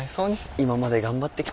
今まで頑張ってきたのに。